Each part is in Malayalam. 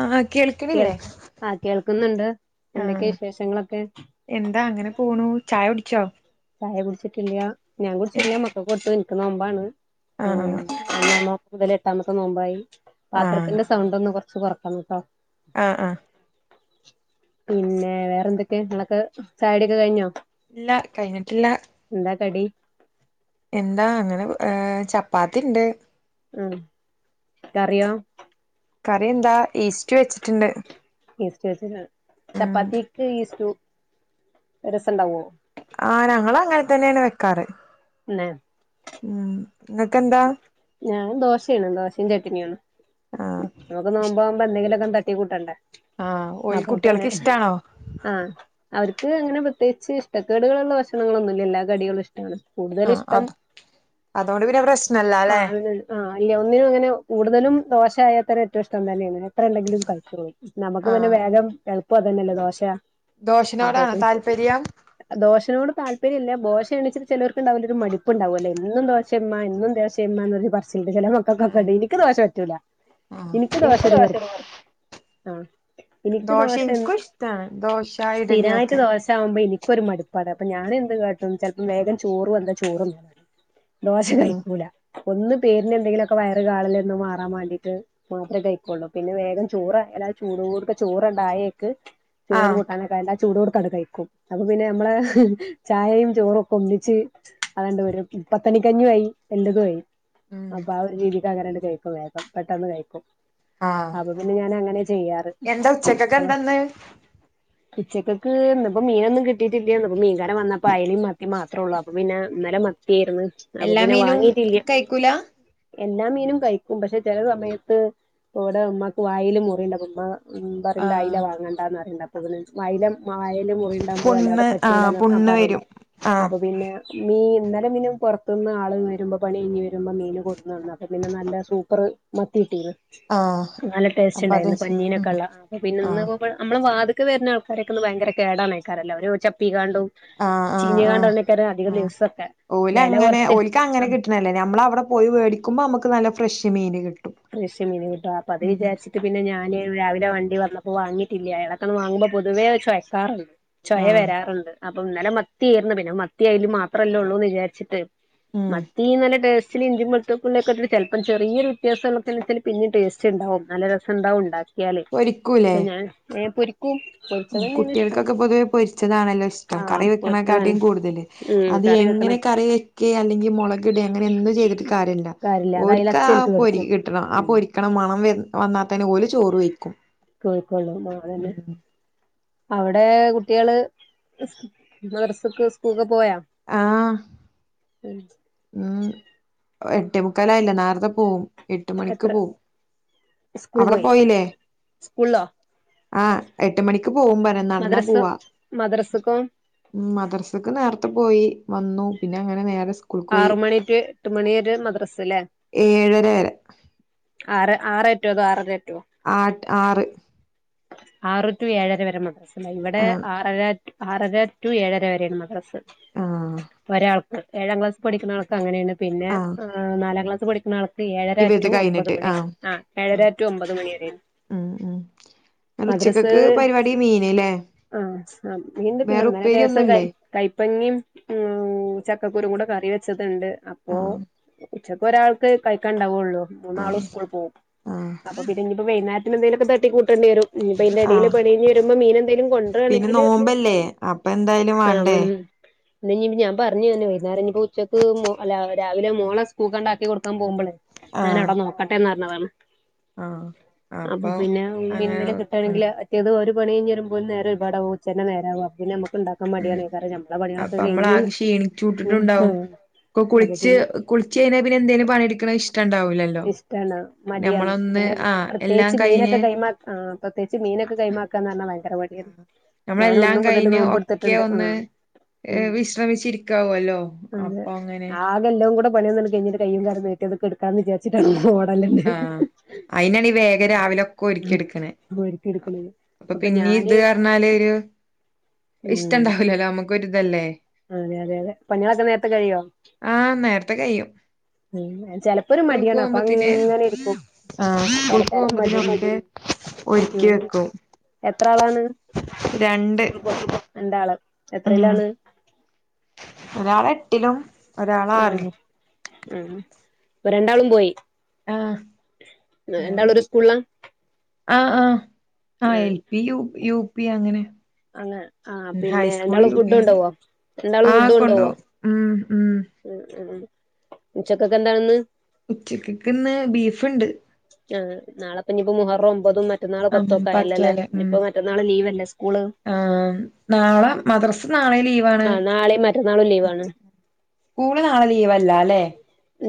ആ കേൾക്ക്ണില്ലേ ക്ക്ന്ന്ണ്ട് ആ എന്താ അങ്ങനെ പോണു ചായ കുടിച്ചോ ചായ കുടിച്ചിട്ടില്ല ഞാൻ കുടിച്ചിട്ടില്ല മക്കക്ക് കൊട്ത്തു ഇൻക്ക് നോമ്പാണ് ഉം ആഹ് ഒന്നാം നോമ്പ് മുതൽ എട്ടാമത്തെ നോമ്പായി പാത്രത്തിന്റെ സൗണ്ട് ഒന്ന് കൊർച്ച് കൊർ [unintelligible] ആ ആ പിന്നെ വേറെ എന്തൊക്കെ ഇങ്ങളൊക്കെ ചായൊടി ഒക്കെ കഴിഞ്ഞോ ഇല്ല കഴിഞ്ഞിട്ടില്ല എന്താ കടി എന്താ അങ്ങനെ ഏ ചപ്പാത്തി ഇണ്ട് ഉം കറിയോ കറി എന്താ ഈസ്റ്റ് വെച്ചിട്ട്ണ്ട് ഈസ്റ്റ് വെച്ചക്കാണ് ചപ്പാത്തിക്ക് ഈസ്റ്റു അയ് രസണ്ടാവോ ആ ഞങ്ങള് അങ്ങനെ തന്നെയാണ് വെക്കാറ് ഏ ഉം നിങ്ങക്കെന്താ ഞൻ ദോശയാണ് ദോശയും ചട്ടിനിയാണ് ആഹ് നമുക്ക് നോമ്പാകുമ്പോ എന്തെങ്കി എന്തേലൊക്കെ തട്ടികൂട്ടണ്ടെ ആഹ് ഓല് അപ്പൊ പിന്നെ കുട്ടികൾക്ക് ഇഷ്ടാണോ ആ അവർക്ക് അങ്ങനെ പ്ര ഇച്ച് ഇഷ്ട കേടുകളുള്ള ഭക്ഷണങ്ങളൊന്നുമല്ലാ എല്ലാ കടികളും ഇഷ്ട്ടാ ആ കൂടുതൽ ആഹ് ഇഷ്ട്ടം അത് അതുകൊണ്ട് പിന്നെ പ്രശ്നല്ല അല്ലെ ആണ് ആ അല്ല ഒന്നിനുങ്ങനെ കൂടുതലും ദോശായയാ തന്നെ ഏറ്റവും ഇഷ്ടം തന്നെയാണ് എത്ര ഉണ്ടെങ്കിലും കഴിച്ചോളും നമുക്ക് പിന്നെ ആഹ് വേഗം എളുപ്പം തന്നെല്ലേ ദോശ അ ദോശനോടാണോ താല്പര്യം ദോശനോട് താല്പര്യം ഇല്ല ദോശ ണിച്ച് ചിലർക്ക്ണ്ടാവില്ലേ മടിപ്പുണ്ടാവൂല്ലേ എന്നും ദോശമ്മ എന്നും ദോശ ചില മക്കൾക്കൊക്കെ ഉണ്ട് എനിക്ക് ദോശ പറ്റൂല ഇനിക്ക് ദോശ [unintelligible] ആ എനിക്ക് ദോശം എനിക്കും ഇഷ്ടാണ് ദോശ ഇഡലി സ്ഥിരായിട്ട് ഒക്കെ ദോശ ആവുമ്പോ എനിക്ക് എനിക്കൊരു ഒരു മടുപ്പാണ് അപ്പൊ ഞാന് എന്ത് കാട്ടും ചെലപ്പോ വേഗം ചോറ് വെന്താ ചോറ് തിന്നും ദോശ ആഹ് കഴിക്കൂല ഒന്ന് പേരിന് എന്തെങ്കിലുമൊക്കെ വയറ് കാളല് ഒന്ന് മാറാൻ വേണ്ടീട്ട് മാത്രേ കഴിക്കൊള്ളൂ പിന്നെ വേഗം ചോറ് എല്ലാ ചൂടൊട്ക്കെ ചോറ്ണ്ടായേയ്ക്ക് ചോറും ആഹ് കൂട്ടാനൊക്കെ [unintelligible] ചൂടോട്ക്കെ അങ്ങ് കഴിക്കും അപ്പൊ പിന്നെ നമ്മളെ ചായയും ചോറും ഒക്കെ ഒന്നിച്ച് അതണ്ട് വര പത്തണി കഞ്ഞിയും ആയി എല്ലതും ആയി ഉം അപ്പൊ ആ ഒരു രീതിക്കങ്ങനെ കഴിക്കും വേഗം പെട്ടെന്ന് കഴിക്കും ആഹ് അപ്പൊ പിന്നെ ഞാൻ അങ്ങനെ ചെയ്യാറ് എന്താ ഉച്ചക്കൊക്കെ എന്താന്ന് ഉച്ചക്കക്ക് ഇന്ന് മീനൊന്നും കിട്ടിയിട്ടില്ല മീൻകാരം വന്നപ്പം അയ്ലയും മത്തി മാത്രേ ഉള്ളൂ അപ്പം പിന്നെ ഇന്നലെ മത്തി കായിരുന്നു അപ്പൊ എല്ലാ പിന്നെ മീനും വാങ്ങീട്ടില്ല കഴിക്കൂല എല്ലാ മീനും കഴിക്കും പക്ഷെ ചില സമയത്ത് ഓലെ ഉമ്മാക്ക് വായില് മുറിണ്ട് അപ്പം ഇമ്മ എ പറയണ്ട അയ്ല ആഹ് വാങ്ങണ്ടാന്ന് പറ അപ്പോതിന് അയിലം മായേല് പോയീണ്ടാവുബോ അല്ലാതെ പുണ്ണ് ആഹ് പറ്റൂലന്ന് പുണ്ണ് പറയുന്നു വരും ആഹ് അപ്പൊ പിന്നെ മീൻ ഇന്നലെ പിന്നെ പുറത്തുന്ന് ആള് വരുമ്പോൾ പണി കഴിഞ്ഞ് വരുമ്പോ മീൻ കൊടുന്നന്നു അപ്പൊ പിന്നെ നല്ല സൂപ്പർ മത്തി കിട്ടീന്ന് ആഹ് നല്ല ടേസ്റ്റ് അപ്പൊ അത് ഉണ്ടായിരുന്നു പഞ്ഞീനൊക്കെ ഉം ഉള്ള അ പിന്നെ ഇന്ന് ആഹ് നമ്മളെ വാത ക്കെ വര്ണ ആൾക്കാരേക്കന്ന് ഭയങ്കര കേടാണയ്ക്കാരല്ലൊ ഒരു ചപ്പി കാ ഔ ആഹ് ചീഞ്ഞ ആഹ് ആഹ് കാൺണ്ടേക്കാരം അധിക ആഹ് ദിവസൊക്കെ ഓല് വെല അങ്ങനെ കൊറച്ച് ഓലക്ക് അങ്ങനെ ആഹ് കിട്ടണല്ലേ നമ്മളെ അവിടെ പോയി മേടിക്കുപോ നമുക്ക് നല്ല ഫ്രഷ് മീൻ കിട്ടും ഫ്ലഷ് മീന് കിട്ടും അപ്പൊ അത് ഉം വിചാരിച്ചിട്ട് പിന്നെ ഞാന് രാവിലെ വണ്ടി വന്നപ്പോ വാങ്ങി ഇല്ല അയാളേക്കന്ന് വാങ്ങുമ്പോ പൊതുവേ ചൊയ്ക്കാറുണ്ട് ചൊയ ആഹ് വരാറുണ്ട് ഇന്നലെ മത്തി ആയിരുന്നു പിന്നെ മത്തിം അയ്ലയും മാത്രമല്ലേ ഉള്ളൂ എന്ന് വിചാരിച്ചിട്ട് ഉം മത്തി നല്ല ടേസ്റ്റ് ഇച്ചിരി ഇഞ്ചിം വെളുത്തുള്ളിയും ഓക്കെ ഇട്ടിട്ട് ചെലപ്പം ചറിയ ഒരു [unintelligible] പിന്നെ ടേസ്റ്റ് ഉണ്ടാവും നല്ല രസം ഉണ്ടാവും ഉണ്ടാക്കിയാല് പക്ഷേ പൊരിക്കൂലേ ഞാൻ പൊരി കുട്ടികൾക്കൊക്കെ പൊതുവെ പൊരിച്ചതാണല്ലോ ഇഷ്ടം ആഹ് കറി പൊരിച്ചതാണ് വെക്ക്ണേക്കാട്ടിലും കൂടുതല് ഉം അത് കറി വെക്കണ എങ്ങനെ കറി വെക്കെ അല്ലെങ്കിൽ മുളക്ഇടെ അങ്ങനെ എന്തും ചെയ്തിട്ട് കാര്യല്ല അത് ഓര്ക്കാ അയിലച്ചേൽക്ക് പൊരി പൊരി കെടക്കും കിട്ടണം ആ ഉം പൊരിക്കണ മണം വന്നാതന്നേ ഓല് ചോറ് പോലെ ചോറ് വെഴ്ക്കും കഴിക്കോള്ളൂ ആ അതെന്നെ അവിടെ കുട്ടികള് മദ്രസ്സക്കും സ്കൂൾക്കും പൊ ആ ഉം [unintelligible] എട്ടേമുക്കാലയില്ലേ നേർത്തെ പോവും എട്ട് മണിക്ക് എത്ര പോവും സ്കൂൾ അവിടെ പൊയി സ്കൂൾളോ ആ എട്ട് മണിക്ക് മം പോകുബോ ന്നാ നടന്നാ പോവാ മദ്രസക്കും മദ്രസക്ക് നേരത്തെ പൊ പോയി വന്നു പിന്നെ അങ്ങനെ നേരെ സ്കൂൾക്ക് പോയി ആറ് മണി റ്റൂ എട്ട് മണി വരെ മദ്രസ്സല്ലേ ഏഴര വരെ ആറ ആറേറ്റൂ ആറര ടു ആ ആറ് ആറ് ടു ഏഴര വരെ മദ്രസ് ഇണ്ടായി ഇവടെ ആഹ് ആറര ടു ആറര ടു ഏഴര വരെയാണ് മദ്രസ് ആഹ് ഒരാൾ ഏഴാം ക്ലാസ് പഠിക്ക്ണ ആൾക്ക് അങ്ങനെയാണ് പിന്നെ ആഹ് നാലാം ക്ലാസ് പഠിക്ക്ണ ആൾക്ക് ട്ട് ഏഴര ഇവര്ത് ടു ഒമ്പത് കഴിഞ്ഞിട്ട് മണി ആഹ് ആ ഉം ഏഴര ടു ഒമ്പത് മണി വരെയാണ് ഉം ന്നട്ട് മദ്രസ് ഉച്ചക്കക്ക് പരിപാടി മീന് ല്ലേ ആ ആ മീൻ ഇണ്ട് പിന്നെ വേറെ ഇന്നലെ രേസം കൈ ഉപ്പേരിയൊന്നുല്ലേ കൈപ്പങ്ങിം ഉം ചക്കക്കുരുക്കുടെ കറി വെച്ചത് ഇണ്ട് അപ്പോ ആഹ് ഉച്ചക്ക് ഒരാൾക്ക് കഴിക്കാൻ ഇണ്ടാവൊള്ളു മൂന്നാളും ആഹ് സ്കൂൾ പോവും ആഹ് അപ്പൊ പിന്നെപ്പോ വൈനാര്ത്തിന് എന്തെലും ഒക്കെ തട്ടി കൂ ടെണ്ടി വെരും ഇഞ്ഞ്പ്പ അയിന്റെ എടീൽ ആഹ് പണി കഴ്ഞ്ഞ് വരുമ്പോ മീനെന്തെലും പിന്നെ കൊണ്ട്രാണെങ്കിൽ നോമ്പല്ലേ അപ്പൊ എന്തായാലും ആ [unintelligible] വാണ്ടേ ഇന്ന് ഇഞ്പ്പ ഞാൻ പർഞ്ഞ് ഇതെന്നെ വൈന്നാരം ഇഞ്ഞിപ്പ ഉച്ചക്ക് മോ അല്ല രാവിലെ മോളെ സ്കൂൾക്കാണ്ട് ആക്കി കൊട്ക്കാൻ പോവ്മ്പളെ ഞാൻ അവിടെ നോക്കട്ടെന്ന് പറഞ്ഞതാണ് ആ അപ്പൊ ഇന്ന് അങ്ങനെ എന്തെങ്കിലും ഉം കിട്ടുകണെങ്കിൽ മറ്റേത് ഒരു പണി നേരെ ഇപാടാവകു നേരകും പിന്നെ ഉണ്ടാക്കാൻ ഉം മടിയാണ് കാരണം ഞമ്മടെ അപ്പൊ പണികളൊക്കെ കഴിഞ്ഞ് നമ്മളാകെ ക്ഷീണിച്ചൂട്ടിട്ടുണ്ടാവും അപ്പൊ കുളിച്ച് പിന്നെ കുളിച്ച് കഴിഞ്ഞാൽ പിന്നെ എന്തേലും പണിയെടുക്കണ ഇഷ്ട ഇഷ്ടല്ല മടിയാണ് ഞമ്മളൊന്ന് പിന്നെ ആഹ് എല്ലാം പ്രത്യേകിച്ച് കഴിഞ്ഞ് മീനൊക്കെ കൈ മ പ്രത്യേകിച്ച് മീനൊക്കെ കൈ ഭയങ്കര മടിയാണ് ഞാൻ നമ്മളെല്ലാം ഒന്നു മുതൽ കഴിഞ്ഞ് ഒക്കെ നോമ്പടുത്തിട്ടുണ്ട് മ് ഒന്ന് മ് ഏഹ് വിശ്രമിച്ചിരിക്കാവല്ലോ അതെ അപ്പൊ അങ്ങനെ ആകെല്ലവും കൂടെ പണിയന്ന കഴിഞ്ഞിട്ട് [unintelligible] [unintelligible] ക്കെടുക്കാന്ന് വിചാച്ചിട്ട ആ അയിനാണീ വേഗം രാവിലൊക്കെ ഒരുക്കി എടുക്കണ ഓര്ക്ക് എടുക്കണത് അപ്പൊ പിന്നീ ഇത് ഞാന് കാരണമാലെ ഒരു ഇഷ്ടം ഉം ഇണ്ടാവലല്ലോ നമുക്ക് ഒരു അതെ അതെ അതെ പണികളൊക്കെ നേരത്തെ കഴിയോ ആഹ് നേരത്തെ കഴിയും ചിലപ്പോരു മടിയാണ് അപ്പ ഇങ്ങ ആ [unintelligible] ഉം ഒരുക്കി ഉം വെക്കും എത്ര ആളാണ് രണ്ട് [unintelligible] രണ്ട് ആള് ഉം എത്രയിലാണ് ഒരാള് എട്ടിലും ഒരാള് ആഹ് ആറിലും ഇപ്പൊ രണ്ടാളും പോയി ആഹ് രണ്ടാളും ഒരു സ്കൂളില ആ ആ ആ എൽ പി യു പി അങ്ങനെ അങ്ങനെ ആഹ് പിന്നെ രണ്ടാളും ഫുഡ് ഹൈസ്കൂളക്കെ കൊണ്ടോവോ രണ്ടാളും ആ ഫുഡ് കൊണ്ട് കൊണ്ടോവോ പോകും. മ് [unintelligible] ഉച്ചക്കൊക്കെ എന്താണന്ന് ഉച്ചക്ക്ക്ക്ന്ന് ബീഫ്ണ്ട് ആ നളെപ്പനിപ്പ മുഹറും ഒമ്പതും മ മറ്റന്നാള് ഉം പത്തൊക്കെ പത്ത് ആല്ലേ ഇനിപ്പൊ മറ്റന്നാള് ലീവ്ല്ലേ സ്കൂള് ആ നാളെ മദ്രാസ നാളെ ലീവ ആഹ് നാളെയും മറ്റന്നാളും ലീവാണ് സ്കൂള് നാളെ ലീവല്ല ലേ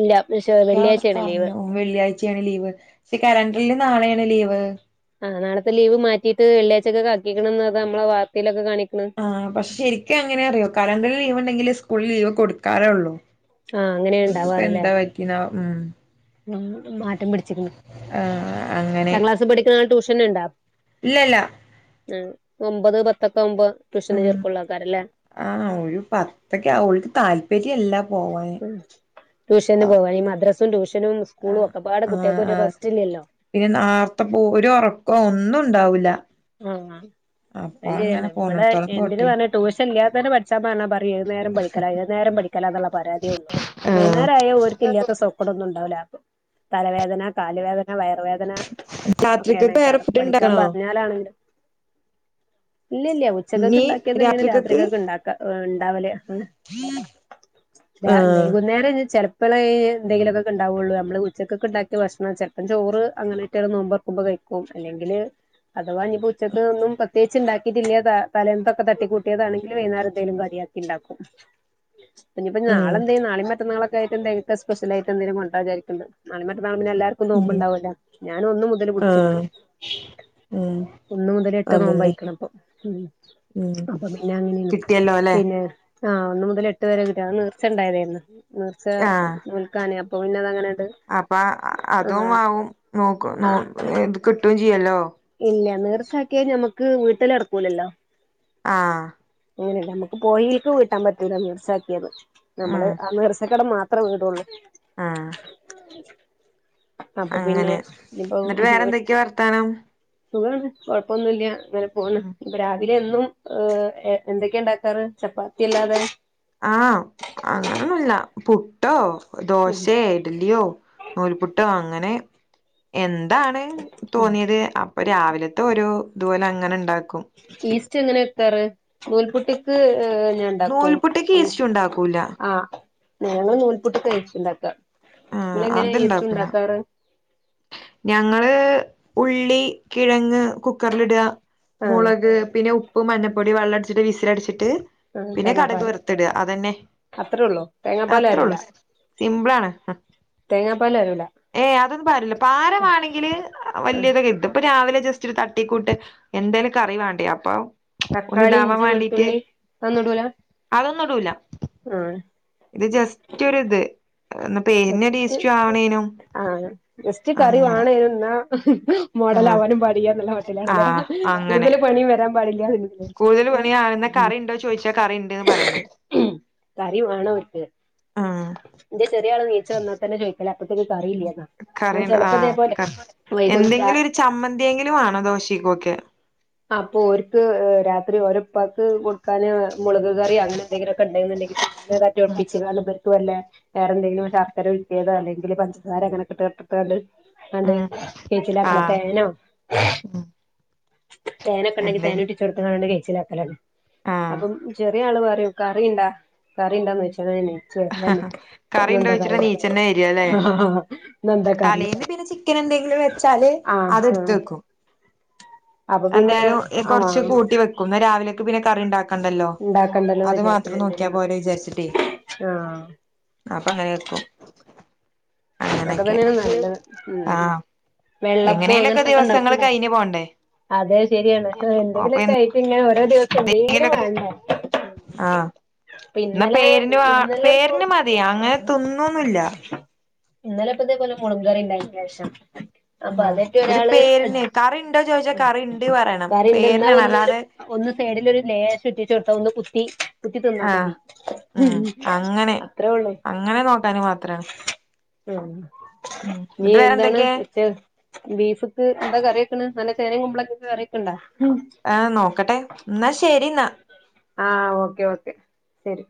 ഇല്ല പക്ഷെ വെള്ളിയാഴ്ചയാണ് ലീവ് പറഞ്ഞു വെള്ളിയാഴ്ചയാണ് ലീവ് പക്ഷെ കലണ്ടറില് നാളെയാണ് ലീവ് ആ നാളത്തെ ലവ് മാറ്റിട്ട് വെള്ളിയഴ്ചക്ക ആക്കിയേക്കണ് നമ്മള വാർത്തയിലൊക്കെ കാണിക്ക ആ പക്ഷെ ശരിക്കും അങ്ങനെ അറിയോ കലണ്ടറി ലീവ് ഉണ്ടെങ്കിൽ സ്കൂളിൽ ലീവ് കൊടുക്കാറോള്ളു ആഹ് അങ്ങനെ ഇതിപ്പ ഇണ്ടാവാറല്ലേ എന്താ പറ്റിന്നാവോ മ്മ് [unintelligible] മാറ്റം പിടിച്ക്ക്ണ് ആഹ് ഇറ്റ ക്ലാസ് പഠിക്കണ ട്യൂഷന ഉണ്ടാവ ല്ല ല്ല ആ ഒമ്പത് പത്തൊക്കെ ഒമ്പത് മ് ആ ഒരു പത്തൊക്കെ ഓല്ക്ക് താല്പര്യംല്ല മ് ട്യൂഷന് പോണഈ മദ്രാസും ട്യൂഷ ആ ആ ആ ഇല്ലല്ലോ പിന്നെ നാർത്ത പോ ഒരു ഉറ [unintelligible] ഒന്നും ഉണ്ടാവൂല്ല ആ ആ ഏ നമ്മടെ എന് പറഞ്ഞ ട്യൂഷ ഇല്ലാത്തെന്നെ പഠിച്ചാ പറഞ്ഞാ പറയും ഏതുന്നേരം പഠിക്കല ഏു നേര പഠിക്കാ പരാതിയേ ഒള്ളു ആഹ് വൈകുന്നേരായ ഓർക്ക ഇല്ലാത്ത സൊക്കടൊന്നുംണ്ടാവില്ല തലവേദന കാല് വേദന വയർ വേദന രാത്രിക്കക്ക് വേറെ ഒക്കെയാണ്ക്കാരം ഫുഡ് പഠിക്കാൻ ഇണ്ടാക്കണോ? പറഞ്ഞാലാണ് [unintelligible] ഇല്ലില്ല ഉച്ചക്കൊക്കെ ഇനി ഉണ്ടാക്കിയത് തന്നെയാണ് രാത്രിക്കക്ക് രാത്രികൊക്കെ ഉണ്ടാക്ക ഉണ്ടാവല് ആഹ് വൈകുന്നേരം ചെല ഇപ്പോളേ എന്തെങ്കിലുമൊക്കെ ഉണ്ടാവയുള്ളൂ നമ്മള് ഉച്ചക്കെ ഉണ്ടാക്കിയ ഭക്ഷണം ചിലപോ ചോറ് അങ്ങനെട്ട നോമ്പോറക്കുമ്പോഴ അല്ലെങ്കിൽ അഥവാഞ്ഞ ഉച്ചത്തൊന്നും പ്രത്യേകച്ച് ഉണ്ടാക്കിയിട്ടില്ല തലത്തൊക്കെ തട്ട കൂട്ടിയതാണെങ്ക വകേരന്തേും കയാിയിില്ല ഉണ്ടാക്കും ഇനിയിപ്പോ ഉം നാളെയെന്ത് ചെയ്യും നാളെയും മറ്റന്നാളുമൊക്കെ ആയിട്ട് എന്തെങ്കിലും സ്പെഷ്യലായിട്ട് എന്തേലും കൊണ്ടരാന്ന് വിചാരിക്കുന്നുണ്ട് നാളെയും മറ്റ നെ എല്ലാർക്കും ഉം നോമ്പണ്ടാവല്ല ഞാന് ഒന്ന് മുതല് പുടിച്ച്ക്ക്ണ് ആഹ് ഉം ഒന്ന് മുതൽ എട്ട് അതന്നെ ആയിക്ക്ണ് അപ്പൊ ഉം ഉം അപ്പൊ പിന്നെ അങ്ങനെയാണ് കിട്ടിയല്ലോ ല്ലേ പിന്നെ ആഹ് ഒന്നു മുതൽ എട്ട് വരെ കിട്ടി നേർച്ച ഉണ്ടായതായിന്ന് നേർച്ച ആഹ് നോൽക്കാനേ അപ്പൊ പിന്നെത് അങ്ങനെ അപ്പ അതും ആവും നോക്ക നോ ആ ഇത് കിട്ടും ചെയ്യല്ലോ ഇല്ല നേർച്ചാക്കിയ നമ്മക്ക് വീട്ടിൽ നടക്കൂലല്ലോ ആഹ് അങ്ങനെയല്ല നമുക്ക് പോയിേക്ക് കൂട്ടാൻ പറ്റൂല നീർച്ചാക്കിയത് നമ്മള് ഉം ആനീർച്ച നീർച്ചക്കടം മാത്രമേ വിടുള്ളൂ ആഹ് അപ്പൊ പിന്നെ അങ്ങനെ ഇപ്പൊ എന്നിട്ട് വേറെന്തൊക്കെയാ വർത്താനം? സുഖാണ് കൊഴപ്പൊന്നും ഇല്ല അങ്ങനെ പോണ് ഇപ്പൊ രാവി എന്നും എന്തൊക്കെയ ഉണ്ടാക്കാറ് ചപ്പാത്തി അല്ലാതെ ആഹ് അങ്ങനൊന്നു മില്ല പുട്ടോ ദോശയേ ഇഡ്ലിയോ നൂൽപ്പുട്ടോ അങ്ങനെ എ ന്താണ് തോന്നിയത് അപ്പൊ രാവിലത്തെ ഒരു ഇതുപോലെ അങ്ങനെണ്ടാക്കും റ് നൂൽപുട്ടിക്ക് ഞാ ഉണ്ടാക്കും നൂൽപുട്ട്ക്ക് ഈസ്റ്റ് ഉണ്ടാക്കൂല ആഹ് ഞങ്ങള് നൂൽപൊട്ട് തയ്ച്ചു ഉണ്ടാക്ക നിങ്ങള് ആഹ് എങ്ങനാ ഇസ്റ്റ് അത്ണ്ടാക്കൂല ഉണ്ടാക്കാറ് ഞങ്ങള് ഉള്ളി കിഴങ്ങ് കുക്കറിലിട ആഹ് മുളക് പിന്നെ ഉപ്പും മഞ്ഞപ്പൊടി വെള്ളം അടിച്ചിട്ട് വിസിലടിച്ചിട്ട് ട്ട് ആഹ് പിന്നെ കടക് തേങ്ങാപ്പാല് വർത്തിട അതന്നെ അത്രേ ഉള്ളൂ അത്രേ ഉള്ളു സിമ്പിൾ ആണ് തെങ്ങാ പാൽ ഏഹ് അതൊന്നും പരലില്ല പാരമാണെങ്കില് ആഹ് വലിയതൊക്കെ ഇത് ഇപ്പൊ രാവിലെ ജസ്റ്റ് ഇച്ചിരി തട്ടിക്കൂട്ട് എന്തെല് കറി വേണ്ടേ അപ്പൊ ഒന്ന് തക്കാളി ഇതാവാൻ ഇഞ്ചി വാണ്ടീട്ട് വെളുത്തുള്ളി അതൊന്നും ഇടൂല അതൊന്നുടൂല ആഹ് ഇത് ജസ്റ്റ് ഒര്ത് ആഹ് സ്റ്റ് അഹ് ജസ്റ്റ്‌ കറി അങ്ങനെ വണനു ന്നാ ആ മോഡലാവാനും പടിയന്നുള്ള ആ മട്ടിലാണല്ലേ അങ്ങനെ കൂടുതല് പണിം വരാ പാടില്ല കൂടുതൽ പണിയാവുന്ന കറി [unintelligible] ഉണ്ടോ ചോദിച്ചാ കറി ഉണ്ട്ന്ന് പറയണം കറി വേണോര്ക്ക് ആ [unintelligible] [unintelligible] നീച്ചന്നാ തന്ന ചോദിക്കലാ [unintelligible] [unintelligible] കറിയ്ണ്ട് ആഹ് വൈകും രാ എന്തെങ്കിലും ഒരു ചമ്മന്തിയെങ്കിലും വാണം ദോശക്കൊക്കെ അപ്പൊ ഒരുക്ക് രാത്രി ഒരുപ്പക്ക് കൊടുക്കാന് മുളക് കറി അങ്ങെന്തെങ്കിലൊക്കെണ്ടെന്ന ണ്ടങ്കി [unintelligible] ഒപ്പിച്ച് [unintelligible] വല്ലേ വേറെ എന്തെലും ശർക്കരഉരികിതോ അലെങ്കില് പഞ്ചസാര അങ്ങനെട്ടിട്ട് [unintelligible] അണ്ട് ഉം ആ കേച്ചിലാക്കണ തെനോ തേനൊക്കെണ്ടെങ്കി എന്തെ തേനൊറ്റിച്ചൊടുത്ത്കാണ്ട് കെയിച്ചലാക്കലാണ് ആ അപ്പം ചെറിയാള് പറ് കറിയിണ്ടാ കറിയിണ്ടാന്ന് [unintelligible] കറിയുണ്ടോയ്ച്ചിട്ട നീച്ചന്നെ വരല്ലേ ഇന്നെന്താ കറി തലേന്ന് പിന്നെ ചിക്കന് ന്തെങ്കിലും വെച്ചാല് ആഹ് ആഹ് അതെട്ത്തക്കും അപ്പൊ പിന്നെ എന്തേലും എ കൊറ്ച്ച് ആഹ് കൂട്ടി വെക്കും ന്ന രാവിലെക്ക് പിന്നെ കറിണ്ടാക്ക് കണ്ടല്ലോ ഉണ്ടാക്കണ്ടല്ലോന്ന് അത് വിചാരിച്ച് മാത്രം നോക്കിയാ ശരിയാണ് പോരേചാരിച്ചിട്ടൈ ആഹ് അപ്പൊങ്ങനെ വെക്കും അങ്ങനൊക്കെ ഒക്കെതന്നേണ് നല്ലത് ഉം ആഹ് വെള്ളപ്പം എങ്ങനേലൊക്കെ ങ്ങനത്തൊക്കെ ദിവസങ്ങള് ഉണ്ടാക്കൂല കഴിഞ്ഞ് പോണ്ടേ അതെ ശരിയാണ് അഹ് അപ്പൊ എന്തെങ്കിലൊക്കായിറ്റം ഇങ്ങനെ [unintelligible] ദിവസം എന്തേങ്കിലും എന്തെങ്കിലൊക്കെ വേണ്ടെ ആഹ് ന്നാ പേരിന് വാ ഇന്നലെ ഇപ്പോ പേരിന് മതി അങ്ങനെതിന്നൊന്നില്ലാ ഇന്നലെപ്പതേപോലെ മൊളംകറിണ്ടാകിയശേഷം അപ്പൊ ആഹ് ഒരു അതേറ്റൊരാള് പേരിന് കറി ഇണ്ടോ ചോദിച്ചാ മ് കറി ഇണ്ട് പറയണം പേരിനാണ് കരല്ലാന്നാന്നൊരു അല്ലാതെ ഒന്ന് സൈഡിലൊരുലേശൊറ്റിച്ചൊടുത്ത ഒന്ന് കുത്തി കുത്തിതിന്നാ ആഹ് മതി ഉം അങ്ങനെ അത്രേ ഉള്ളൂ അങ്ങനെ നോക്കാന് മാത്രാണ് മ് ഉം നീ എന്നിട്ട് എന്താണ് വേറെന്തൊക്കെ ഉച്ചേ ബീഫ്ക്ക് എന്താ കറെക്ക്ണ് നല്ല ചേനേം കുമ്പളങ്ങകറിയക്കണ്ടാ ആ നോക്കട്ടെ ന്നാശരിന്നാ ആ ഓക്കെ ഓക്കെ ശരി